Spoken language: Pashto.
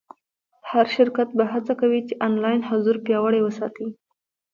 هر شرکت به هڅه کوي چې آنلاین حضور پیاوړی وساتي.